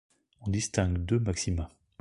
On distingue deux maxima.